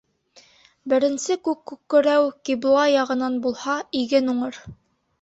Беренсе күк күкрәү ҡибла яғынан булһа, иген уңыр.